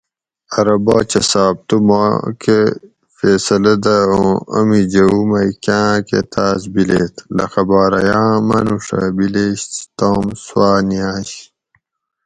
ارو باچہ صاۤب تُو ماکہ فیصلہ دہ اُوں امی جوؤ مئی کاۤں آۤکہ تاۤس بِلیت؟ لخہ باراۤیاۤں مانوڛہ بِلیش تام سُوآۤ نیاۤش